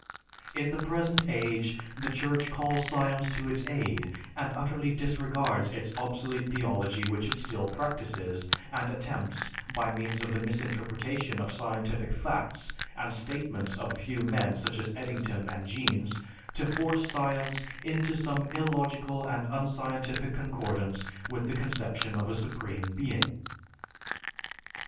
In the present age the Church calls science to its aid, and utterly disregards its obsolete theology which it still practices, and attempts, by means of the misinterpretation of scientific facts and statements of a few men such as Eddington and Jeans, to force science into some illogical and unscientific concordance with the conception of a supreme being.